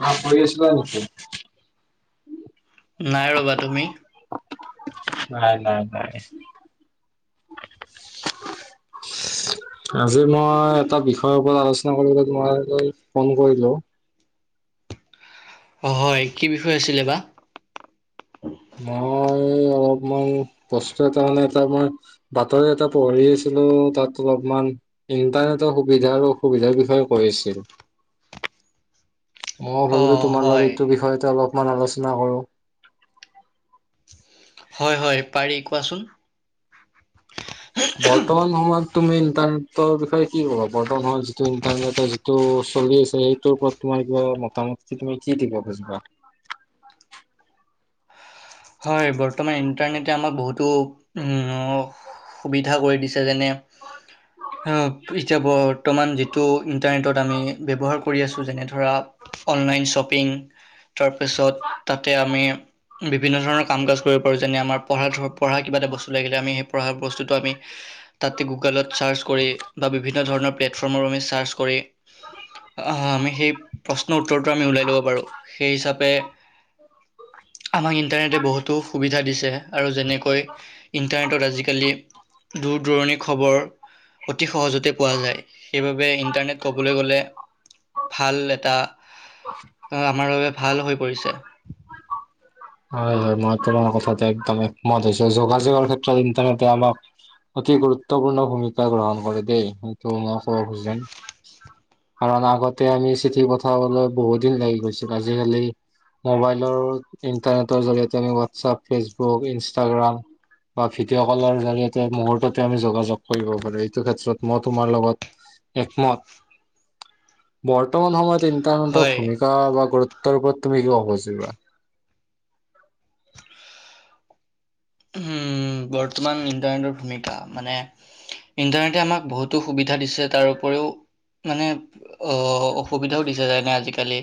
ম পঢ় আছিল নকি [unintelligible] নাই ৰবা তুমি নাই নাই নাই আজি মই এটা বিষয়ৰ ওপৰত আলোচনা কৰিবলৈ মই ফোন কৰিলো অ হয় কি বিষয় আছিলে বা মই অলপমান বস্তু এটা মে এটা মই বাতৰি এটা পঢ়ি আছিলো তাত অলপমান ইন্টাৰনেটৰ সুবিধা আৰু অসুবিধাৰ বিষয়ে কৈ আছিলো মই অ ভাবিলো তোমাৰ লগত হয় এইটো বিষয়তে অলপ [unintelligible] অকমান আলোচনা কৰো হয় হয় পাৰি পাচোন [unintelligible] বৰ্তমান সময়ত তুমি ইন্টাৰনেটৰ বিষয়ে কি কবা বৰ্তমান সময়ত যিটো ইন্টাৰনেটৰ যিটো চলি আছে সেইটোৰ ওপৰত তোমাৰ কিবা মাম তুমি কি দিব খুজিবা [unintelligible] হয় বৰ্তমান ইন্টাৰনেটে আমাক বহুতো উ সুবিধা কৰি দিছে যেনে এতিয়া বৰ্তমান টো ইণ্টাৰনেটত আমি ব্যৱহাৰ কৰি আছোঁ যেনে ধৰা অনলাইন শ্বপিং তাৰপিছত তাতে আমি আৰু বিভিন্ন ধৰণৰ কাম ক কৰিব পাৰোঁ যেনে আমাৰ পঢ়া পঢ়া কিবা এটা বস্তু লাগিলে আমি সেই পঢ়া বস্তুটো আমি তাতে গুগলত চাৰ্চ কৰি বা বিভিন্ন ধৰণৰ প্লেটফৰ্মৰ আমি উ ইণ্টাৰনেটে বহুতো সুবিধা দিছে আৰু যেনেকৈ ইণ্টাৰনেটত আজিকালি দূৰ দূৰণিৰ খবৰ অতি সহজতে পোৱা যায় সেইবাবে ইণ্টাৰনেট ক'বলৈ গ'লে ভাল এটা আমাৰ বাবে ভাল হৈ পৰিছে হয় হয় মই তোাৰ কথা একম মতছো যোগাযোগৰ ক্ষেত্ৰত ইন্টাৰনেট আমাক অতি গুৰুত্বপূৰ্ণ ভূমিকা গ্ৰহণ কৰে দেই সেইটো মই কব খোা কাৰণ আগতে আমি চিঠি পঠাবলৈ বহুত দিন লাগি গৈছিল আজিকালি মোবাইলৰ ইণ্টাৰনেটৰ জৰিয়তে আমি হোৱাটছআপ ফেচবুক ইনষ্টাগ্ৰাম বা ভিডিঅ' কলৰ জৰিয়তে মুহূৰ্ততে আমি যোগাযোগ কৰিব পাৰো এইটো ক্ষেত্ৰত মই তোমাৰ লগত একমত বৰ্তমান সময়ত চিন্তানত হয় ভূমিকা বা গুৰুত্ব তাৰ ওপৰত তুমি কিয় হবচিবা উম বৰ্তমান ইণ্টাৰনেটৰ ভূমিকা মানে ইণ্টাৰনেটে আমাক বহুতো সুবিধা দিছে তাৰপৰিও মানে অসুবিধাও দিছে যেনে আজিকালি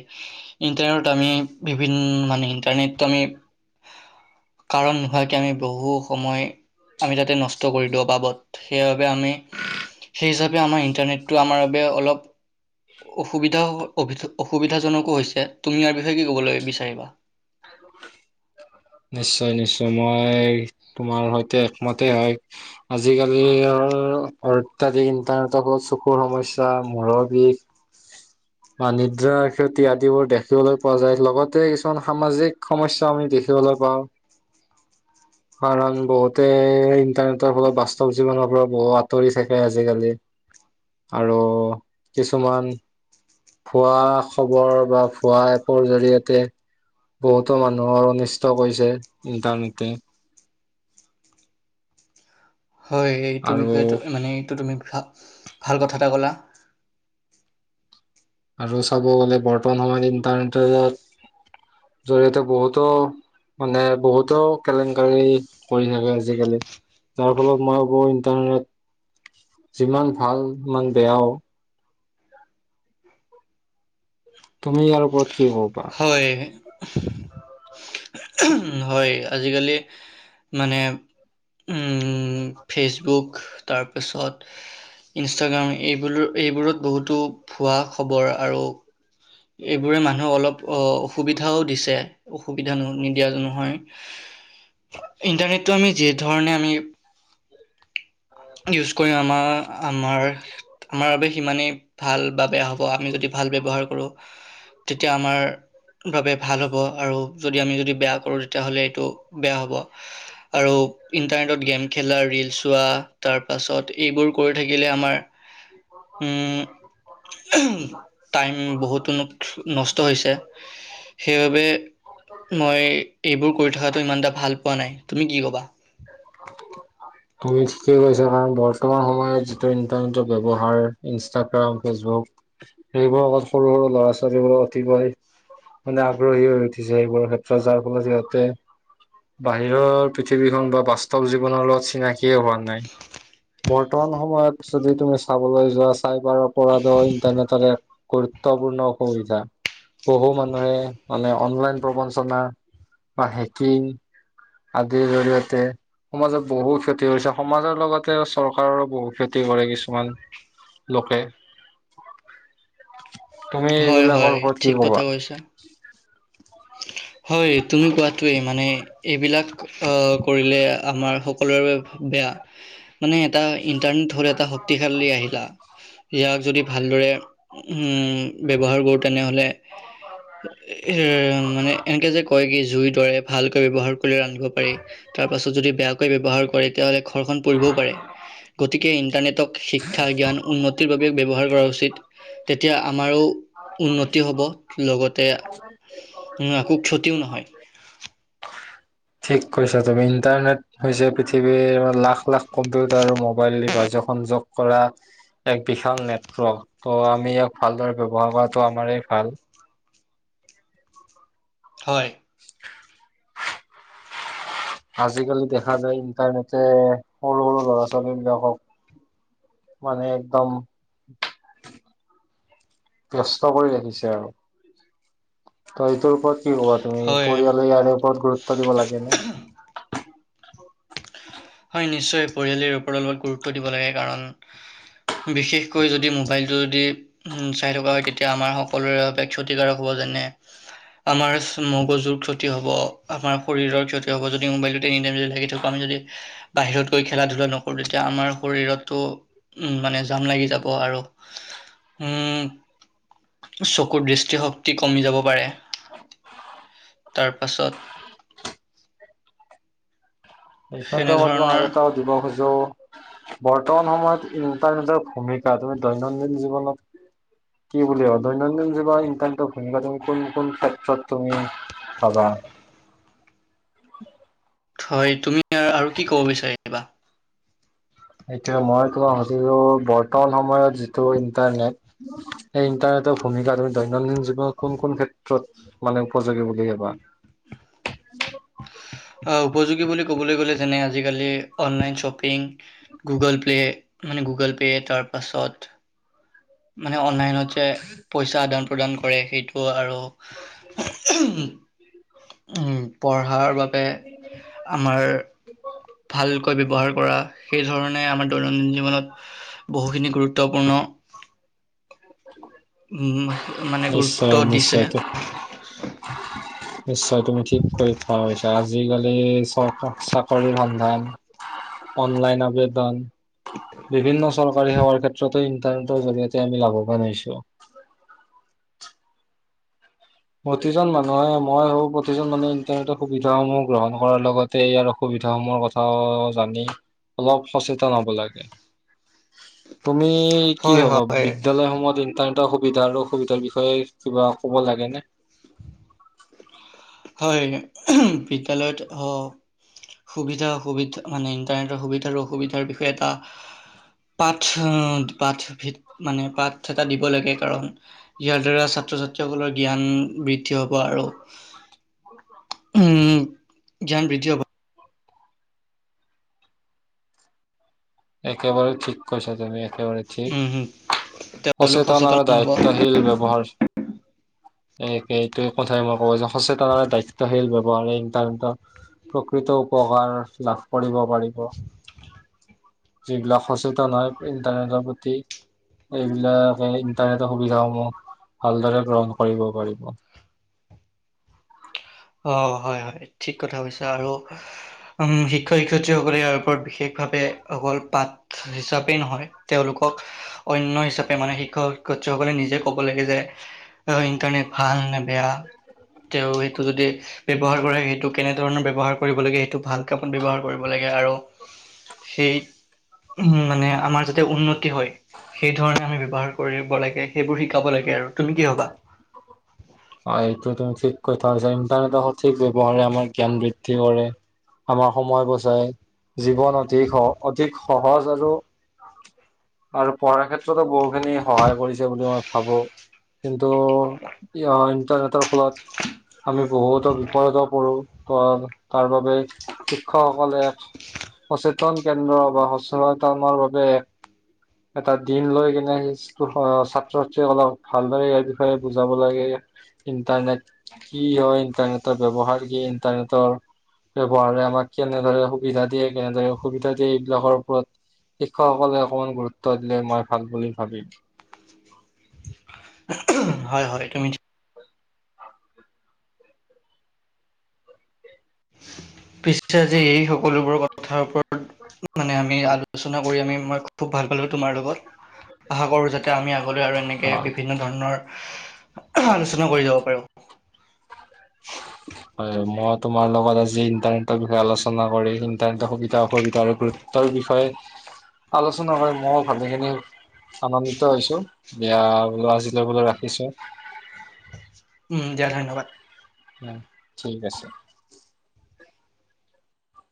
ইণ্টাৰনেটত আমি বিভিন্ন মানে ইণ্টাৰনেটটো আমি কাৰণ নোহোৱ আমি বহু সময় আমি তাতে নষ্ট কৰি দিওঁ বাবদ সেইবাবে আমি সেই হিচাপে আমাৰ ইন্টাৰনেটটো আমাৰ বাবে অলপ অসুবিধা অসুবিধাজনকো হৈছে তুমি ইয়াৰ বিষয়ে কি ক'বলৈ বিচাৰিবা নিশ্চয় নিশ্চয় মই তোমাৰ সৈতে একমতে হয় আজিকালিৰ আধ্যাত্মিক ইন্টাৰনেটৰ চকুৰ সমস্যা মূৰৰ বিষ বাণিদ্ৰা ক্ষতি আদিবোৰ দেখিবলৈ পোৱা যায় লগতে কিছুমান সামাজিক সমস্যাও আমি দেখি দেখিবলৈ পাওঁ কাৰণ বহুতে ইণ্টাৰনেটৰ ফলত বাস্তৱ জীৱনৰ পৰা বহু আঁতৰি থাকে আজিকালি আৰু কিছুমান ভুৱা খবৰ বা ভুৱ এপৰ জৰিয়তে বহুতো মানুহৰ ষ্ট কৈছে ইন্টাৰনেতে হয় এইটো আৰু বিষয়েটো মানে এইটো তুমি ভাল কথা এটা ক'লা আৰু চাব গ'লে বৰ্তমান সময়ত ইণ্টাৰনেটৰ জৰি়য়তে বহুতো মানে বহুতো কেলেংকাৰী কৰি থাকে আজিকালি যাৰ ফলত মই ভাবো ইণ্টাৰনেট যিমান ভাল সিমান বেয়াও তুমি ইয়াৰ ওপৰত কি হ'বা হয় হয় আজিকালি মানে উম ফেচবুক তাৰপিছত ইনষ্টাগ্ৰাম এইবোৰ এইবোৰত বহুতো ভোৱা খবৰ আৰু এইবোৰে মানুহে অলপ অ অসুবিধাও দিছে সুবিধা নিদিয়া জনোহয় ইণ্টাৰনেটটো আমি যি ধৰণে আমি ইউজ কৰি আমাৰ আমাৰ আমাৰ বাবে সিমানেই ভাল বা বেয়া হ'ব আমি যদি ভাল ব্যৱহাৰ কৰোঁ তেতিয়া আমাৰ বাবে ভাল হ'ব আৰু যদি আমি যদি বেয়া কৰোঁ তেতিয়াহ'লে এইটো বেয়া হ'ব আৰু ইণ্টাৰনেটত গেম খেলা ৰীল চোৱা তাৰ পাছত এইবোৰ থাকিলে আমাৰ উ টাইম বহুতো নষ্ট হৈছে সেইবাবে মই এইবোৰ কৰি থকাটো ইমান এটা ভাল পোৱা নাই তুমি কি ক'বা তুমি ঠিকেই কৈছা কাৰণ বৰ্তমান সময়ত যিটো ইন্টাৰনেটৰ ব্য্ৱহাৰ ইনষ্টাগ্ৰাম ফেচবুক সেইবোৰৰ লগত সৰু সৰু ল'ৰা ছোৱালীবোৰ অতিকৈ মানে আগ্ৰহী হৈ উঠিছে সেইবোৰৰ ক্ষেত্ৰত যাৰ ফলত সিহতে বাহিৰৰ পৃথিৱীখন বা তল জীৱনৰ লগত চিনাকি কিয় হোৱা নাই বৰ্তমান সময়ত যদি তুমি চাবলৈ যোৱা চাইবাৰৰপ ইণ্টাৰনেটৰ এক গুৰুত্বপূৰ্ণ অসুবিধা বহু মানুহে মানে অনলাইন প্ৰবঞ্চনা বা হেকিং আদিৰ জৰিয়তে সমাজত বহু ক্ষতি কৰিছে সমাজৰ লগতে চৰকাৰৰো বহু ক্ষতি কৰে কিছুমান লোকে তুমি হয় হয় এইবিলাকৰ ওপৰত ঠিক কি কথা কবা কৈছা। হয়, তুমি কোৱাটোৱেই মানে এইবিলাক আ, কৰিলে আমাৰ সকলোৰে বাবে বেয়া মানে এটা ইন্টাৰনেট হ'ল এটা শক্তিশালী আহিলা ইয়াক যদি ভালদৰে হম, ব্যৱহাৰ কৰো তেনেহ'লে হে মানে এনেকে যে, কয় কি জুই দৰে ভালকৈ ব্যৱহাৰ ক আনিব পাৰি তাৰপাছত যদি বেয়া ব্যৱহাৰ কৰে তেতিয়াহ'লে ঘৰখন পৰিবও পাৰে গতিকে ইণ্টাৰনেটক শিক্ষা জ্ঞান উন্নতিৰ বাবে ব্যৱহাৰ কৰা উচিত। তেতিয়া আমাৰো উন্নতি হ'ব লগতে উ, একো ক্ষতিও নহয়। ঠিক কৈছা তুমি ইণ্টাৰনেট হৈছে পৃথিৱীৰ লাখ, লাখ কম্পিউটাৰ মোবাইল [unintelligible] সংযোগ কৰা এক বিশাল নেটৱৰ্ক, ত' আমি ইয়াক ভালদৰে ব্যৱহাৰ কৰাটো আমাৰেই ভাল। হয়। আজিকালি দেখা যায় ইণ্টাৰনেটে সৰু, সৰু ল'ৰা ছোৱালী বিলাকক মানে একদম ব্যস্ত কৰি ৰাখিছে আৰু। ত এইটোৰপৰত কি ক'বা তুমি? হয় পৰিয়ালে ইয়াৰে ওপৰত গুৰুত্ব দিব লাগে নে? হয়, নিশ্চয় পৰিয়ালৰ ওপৰত অলপ গুৰুত্ব দিব লাগে কাৰণ বিশেষকৈ যদি মোবাইলটো যদি চাই থকা হয়, তেতিয়া আমাৰ সকলোৰে বাবে ক্ষতিকাৰক হ'ব যেনে আমাৰ মগজুৰ ক্ষতি হ'ব, আমাৰ শৰীৰৰ ক্ষতি হ'ব যদি মোবাইলটো তিনি টাইম যদি থাকি থাকো আমি যদি বাহিৰত গৈ খেলা ধূলা নকৰো তেতিয়া আমাৰ শৰীৰতো উম, মানে জাম লাগি যাব আৰু উম চকুৰ দৃষ্টিশক্তি কমি যাব পাৰে তাৰ পাছত [unintelligible] সেনেধৰণৰ আৰু এটা দিব খো বৰ্তমান সময়ত ইণ্টাৰনেটৰ ভূমিকা তুমি দৈনন্দিন জীৱনত কি বুলি [unintelligible] দৈনন্দিন জীৱন ইন্টাৰনেটৰ ভূমিকা তুমি কোন, কোন ক্ষেত্ৰত তুমি ভাবা? হয়, তুমি আৰু কি ক'ব বিচাৰিবা? এতিয়া মই [unintelligible] বৰ্তমান সময়ত যিটো ইণ্টাৰনেট সেই ইন্টাৰনেটৰ ভূমিকা তুমি দৈনন্দিন জীৱনত কোন, কোন ক্ষেত্ৰত মানে উপযোগী বুলি ভাবা? উপযোগী বুলি ক'বলৈ গ'লে যেনে, আজিকালি অনলাইন শ্বপিং গুগল প্লে মানে গুগল পে' তাৰ পাছত মানে অনলাইনত যে, পইচা আদান প্ৰদান কৰে সেইটো আৰু উম, পঢ়াৰ বাব আমাৰ ভালকৈ ব্যৱহাৰ কৰা সেই ধৰণে আমাৰ দৈনন্দিন জীৱনত বহুখিনি গুৰুত্বপূৰ্ণ মানে গুৰুত্ব নিশ্চয়, দিছে নিশ্চয়, নিশ্চয় তুমি ঠিক [unintelligible] আজিকালি চ, চাকৰিৰ সন্ধান, অনলাইন আবেদন বিভিন্ন চৰকাৰী সেৱাৰ ক্ষেত্ৰতো ইন্টাৰনেটৰ জৰিয়তে আমি লাভৱান হৈছোঁ। প্ৰতিজন মানুহে মই হওঁ প্ৰতিজন মানুহে ইন্টাৰনেটৰ সুবিধা সমূহ গ্ৰহণ কৰাৰ লগতে ইয়াৰ অসুবিধা সমূহৰ কথায়ো জানি অলপ সচেতন হ'ব লাগে। তুমি কি হয় ভাবা? হয় বিদ্যালয়সমূহত ইন তান এটা সুবিধা আৰু অসুবিধাৰ বিষয়ে কিবা ক'ব লাগে নে? হয়, বিদ্যালয়ত অ', সুবিধা অসুবিধা মানে ইণ্টাৰনেটৰ সুবিধা আৰু অসুবিধাৰ বিষয়ে এটা পাঠ, পাঠ ভিত মানে পাঠ এটা দিব লাগে কাৰণ ইয়াৰ দ্বাৰা ছাত্ৰ ছাত্ৰীসকলৰ জ্ঞান বৃদ্ধি হ'ব আৰু উ [unintelligible] উম জ্ঞান বৃদ্ধি হ'ব একেবাৰে ঠিক কৈছা তুমি। একেবাৰে ঠিক উম হম তেওঁলোক সচেতন আৰু হ'ব দায়িত্বশীল ব্যৱহাৰ একেই এই কথাই মই ক'ব যাম সচেতন আৰু দায়িত্বশীল ব্যৱহাৰে ইন্টাৰনেটৰ প্ৰকৃত উপকাৰ লাভ কৰিব পাৰিব। যিবিলাক সচেতন হয় ইন্টাৰনেটৰ প্ৰতি এইবিলাকে ইন্টাৰনেটৰ সুবিধা সমূহ ভালদৰে গ্ৰহণ কৰিব পাৰিব। অহঁ হয় হয় ঠিক কথা হৈছে আৰু উম, শিক্ষক শিক্ষয়িত্ৰীসকলে ইয়াৰ ওপৰত বিশেষভাৱে অকল পাঠ হিচাপেই নহয় তেওঁলোকক অন্য হিচাপে মানে শিক্ষক শিক্ষয়িত্ৰীসকলে নিজে ক'ব লাগে যে ইণ্টাৰনেট ভাল নে বেয়া তেওঁ সেইটো যদি ব্যৱহাৰ কৰে সেইটো কেনেধৰণৰ ব্যৱহাৰ কৰিব লাগে সেইটো ভাল কামত ব্যৱহাৰ কৰিব লাগে আৰু সেই উম, মানে আমাৰ যাতে উন্নতি হয় সেই ধৰণে আমি ব্যৱহাৰ কৰিব লাগে। সেইবোৰ শিকাব লাগে আৰু তুমি কি কবা? কৈ থাক ইন্টাৰনেটৰ সঠিক ৱাৰে আমাৰ জ্ঞান বৃদ্ধি কৰে আমাৰ সময় বচায় জীৱন অধিক অধিক সহজ আৰু আৰু পঢ়াৰ ক্ষেত্ৰতো বহু খিনি সহায় কৰিছে বুলি মই ভাবো কিন্তু ইণ্টাৰনেটৰ ফলত আমি বহুতো বিপদতো পৰো তাৰ বাবে শিক্ষকসকলে এক সচেতন কেন্দ্ৰ বা সচেতনতাৰ বাবে এটা দিন লৈ কেনে ছাত্ৰ ছাত্ৰীসকলক ভালদৰে বিষয়ে বুজাব লাগে ইণ্টাৰনেট কি হয় ইণ্টাৰনেটৰ ব্যৱহাৰ কি ইণ্টাৰনেটৰ ব্যৱহাৰ আমাক কেনেদৰে সুবিধা দিয়ে কেনেদৰে অসুবিধা দিয়ে এইবিলাকৰ ওপৰত শিক্ষকসকলে অকমান গুৰুত্ব দিলে মই ভাল বুলি ভাবিম। হয় হয় তুমি পিছে যে এই হ সকলোবোৰ কথাৰ ওপৰত মানে আমি আলোচনা কৰি আমি মই খুব ভাল পালো তোমাৰ লগত। আশা কৰোঁ যাতে আমি আগলৈ আৰু এনেকে হয় বিভিন্ন ধৰণৰ আলোচনা কৰি যাব পাৰোঁ। মই তোমাৰ লগত আজি ইন্টাৰনেটৰ বিষয়ে আলোচনা কৰি ইন্টাৰনেটৰ সুবিধা অসুবিধা আৰু গুৰুত্বৰ বিষয়ে আলোচনা কৰি মই ভালেখিনি আনন্দিত হৈছো এৱা লবলৈ ৰাখিছোঁ। উম দিয়া ধন্যবাদ। উ ঠিক আছে।